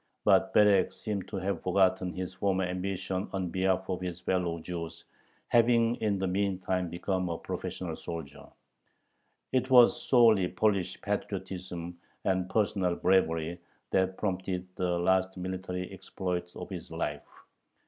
But Berek seems to have forgotten his former ambition on behalf of his fellow Jews, having in the meantime become a professional soldier. It was solely Polish patriotism and personal bravery that prompted the last military exploits of his life.